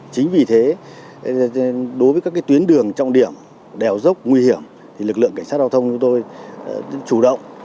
chính vì thế đối với các tuyến đường trọng điểm đèo dốc nguy hiểm thì lực lượng cảnh sát giao thông chúng tôi chủ động